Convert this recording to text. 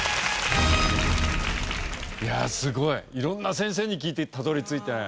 すごい！色んな先生に聞いてたどり着いて。